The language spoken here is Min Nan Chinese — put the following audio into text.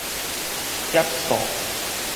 劫數